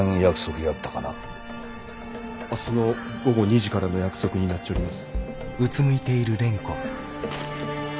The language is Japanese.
明日の午後２時からの約束になっちょります。